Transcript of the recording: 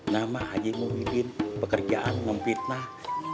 nama haji muhyiddin pekerjaan memfitnah